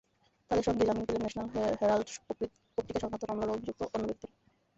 তাঁদের সঙ্গেই জামিন পেলেন ন্যাশনাল হেরাল্ড পত্রিকা-সংক্রান্ত মামলায় অভিযুক্ত অন্য ব্যক্তিরা।